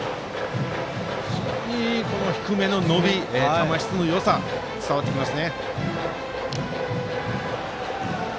非常に低めの伸び球質のよさが伝わってきます。